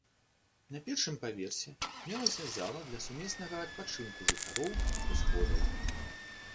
На першым паверсе мелася зала для сумеснага адпачынку жыхароў і сходаў.